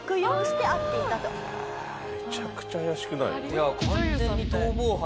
めちゃくちゃ怪しくない？